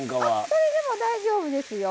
それでも大丈夫ですよ。